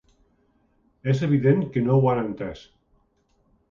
És evident que no ho han entès.